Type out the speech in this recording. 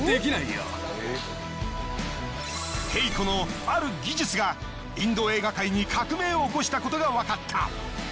ＫＥＩＫＯのある技術がインド映画界に革命を起こしたことがわかった。